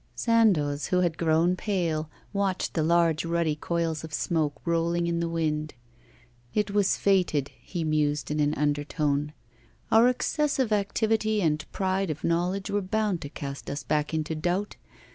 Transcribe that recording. Sandoz, who had grown pale, watched the large ruddy coils of smoke rolling in the wind. 'It was fated,' he mused in an undertone. 'Our excessive activity and pride of knowledge were bound to cast us back into doubt.